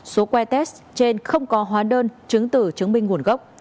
số que test trên không có hóa đơn chứng tử chứng minh nguồn gốc